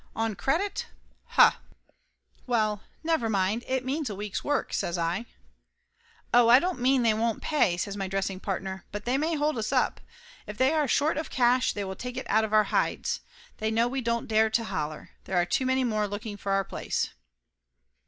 "On credit? Huh!" "Well, never mind, it means a week's work," says I. "Oh, I don't mean they won't pay," says my dress ing partner, "but they may hold us up. If they are short of cash they will take it out of our hides. They know we don't dare to holler. There are too many more looking for our place."